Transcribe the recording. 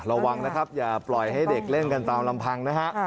ระวังนะครับอย่าปล่อยให้เด็กเล่นกันตามลำพังนะฮะ